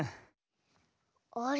あれ？